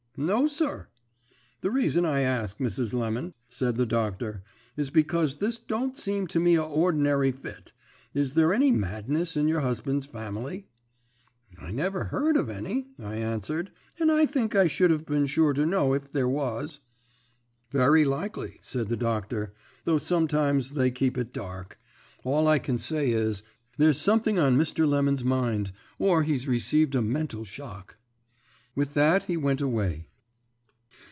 "'No, sir.' "'The reason I ask, Mrs. Lemon,' said the doctor, 'is because this don't seem to me a ordinary fit. Is there any madness in your husband's family?' "'I never heard of any,' I answered, 'and I think I should have been sure to know it if there was.' "'Very likely,' said the doctor, 'though sometimes they keep it dark. All I can say is, there's something on Mr. Lemon's mind, or he's received a mental shock.' "With that he went away.